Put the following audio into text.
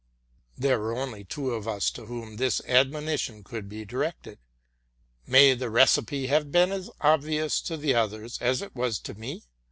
'' There were only two of us to whom this admonition could be directed. May the recipe have been as obvious to the other as it wastome!